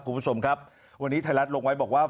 คุณผู้ชมครับวันนี้ไทยรัฐลงไว้บอกว่า